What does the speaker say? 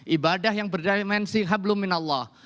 ibadah yang berdimensi hablum minallah